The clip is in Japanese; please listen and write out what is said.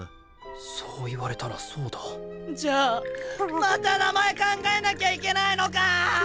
そう言われたらそうだじゃあまた名前考えなきゃいけないのかぁ！